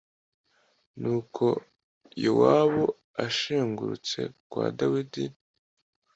Nuko Yowabu ashengurutse kwa Dawidi